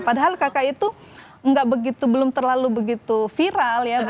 padahal kakak itu belum terlalu begitu viral ya